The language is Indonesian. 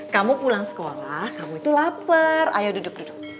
kamu pulang sekolah kamu itu lapar ayo duduk duduk